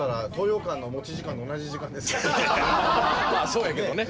そうやけどね。